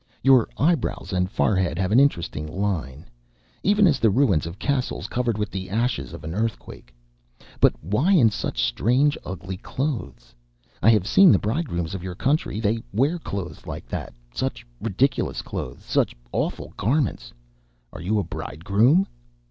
Your eyebrows and forehead have an interesting line: even as the ruins of castles covered with the ashes of an earthquake. But why in such strange, ugly clothes? I have seen the bridegrooms of your country, they wear clothes like that such ridiculous clothes such awful garments... Are you a bridegroom?"